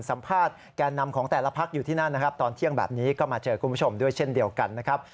สัมภาษณ์แก่นำของแต่ละพักอยู่ที่นั่นนะครับตอนเที่ยงแบบนี้ก็มาเจอคุณผู้ชมด้วยเช่นเดียวกันนะครับ